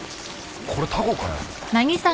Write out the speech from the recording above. これタコかよ？